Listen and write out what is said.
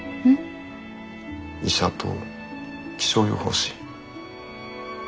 医者と気象予報士。